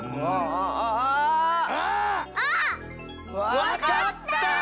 わかった！